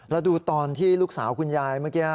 แล้วดูตอนที่ลูกสาวคุณยายเมื่อกี้